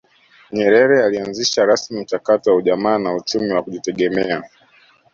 Nyerere alianzisha rasmi mchakato wa ujamaa na uchumi wa kujitegemea